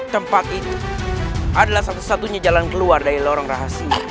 tempat itu adalah satu satunya jalan keluar dari lorong rahasia